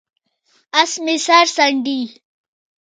اس مې سر څنډي،